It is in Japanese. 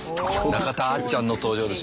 中田あっちゃんの登場です。